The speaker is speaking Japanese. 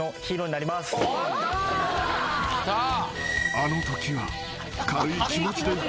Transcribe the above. ［あのときは］